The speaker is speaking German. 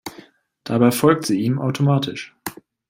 Dabei folgt sie ihm automatisch.